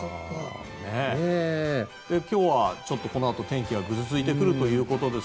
今日はこのあと天気がぐずついてくるということで。